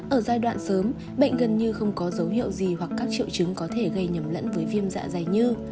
ở giai đoạn sớm bệnh gần như không có dấu hiệu gì hoặc các triệu chứng có thể gây nhầm lẫn với viêm dạ dày như